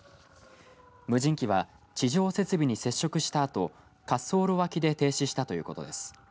無人機は地上設備に接触したあと滑走路脇で停止したということです。